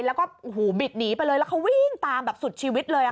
แล้วก็บิดหนีไปเลยแล้วเขาวิ่งตามแบบสุดชีวิตเลย